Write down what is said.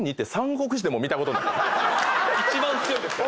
一番強いですから。